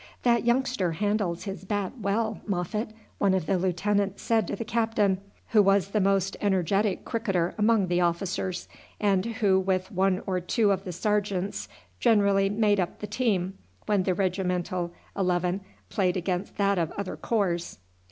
"That youngster handles his bat well, Moffat," one of the lieutenants said to the captain, who was the most energetic cricketer among the officers, and who with one or two of the sergeants generally made up the team when the regimental eleven played against that of another corps.